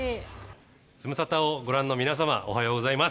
ズムサタをご覧の皆様、おはようございます。